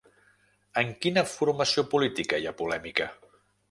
En quina formació política hi ha polèmica?